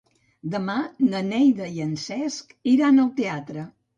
Demà na Neida i en Cesc iran al teatre.